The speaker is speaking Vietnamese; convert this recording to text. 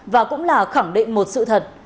và cũng là khẳng định một sự thật